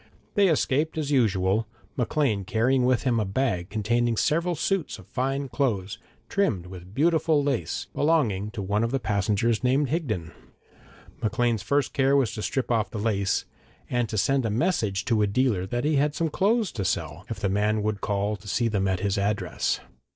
They escaped as usual, Maclean carrying with him a bag containing several suits of fine clothes, trimmed with beautiful lace, belonging to one of the passengers named Higden. Maclean's first care was to strip off the lace, and to send a message to a dealer that he had some clothes to sell, if the man would call to see them at his address.